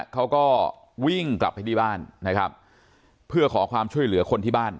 เขาก็วิ่งกลับไปที่บ้านนะครับเพื่อขอความช่วยเหลือคนที่บ้าน